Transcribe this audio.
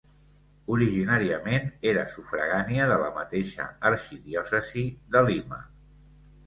Originàriament era sufragània de la mateixa arxidiòcesi de Lima.